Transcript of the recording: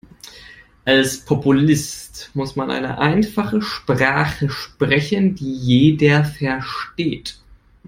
Als Populist muss man eine einfache Sprache sprechen, die jeder versteht.